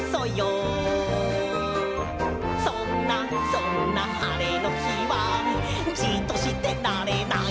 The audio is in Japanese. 「そんなそんな晴れの日はじっとしてられない！」